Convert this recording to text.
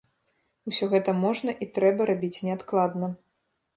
Усё гэта можна і трэба рабіць неадкладна.